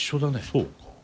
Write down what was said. そうか。